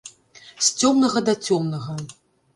З цёмнага да цёмнага.